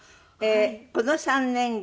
この３年後。